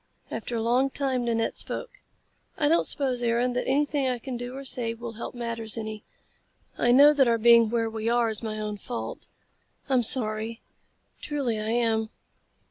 After a long time Nanette spoke. "I don't suppose, Aaron, that anything I can do or say will help matters any. I know that our being where we are is my own fault. I'm sorry. Truly I am."